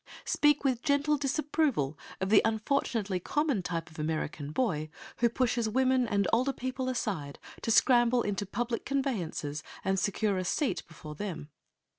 Speak with gentle disapproval of the unfortunately common type of American boy who pushes women and older people aside to scramble into public conveyances and secure a seat before them.